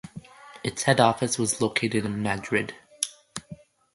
Its head office was located in Madrid.